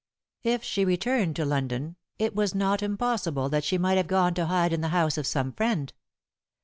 If she returned to London it was not impossible that she might have gone to hide in the house of some friend.